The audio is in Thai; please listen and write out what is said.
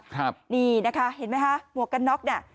ครับนี่นะคะเห็นไหมคะหมวกกันน็อกเนี่ย